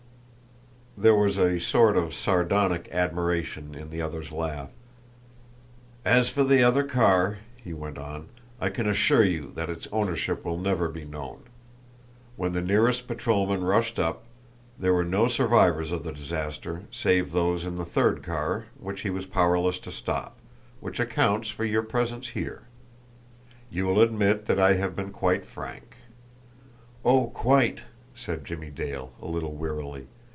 There was a sort of sardonic admiration in the other's laugh. "As for the other car," he went on, "I can assure you that its ownership will never be known. When the nearest patrolman rushed up, there were no survivors of the disaster, save those in the third car which he was powerless to stop which accounts for your presence here. You will admit that I have been quite frank." "Oh, quite!" said Jimmie Dale, a little wearily.